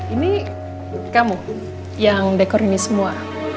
ini kamu yang dekor ini semua